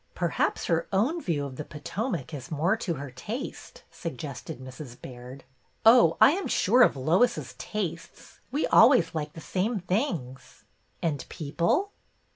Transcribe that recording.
" Perhaps her own view of the Potomac is more to her taste," suggested Mrs. Baird. " Oh, I am sure of Lois's tastes. We always like the same things." " And people?"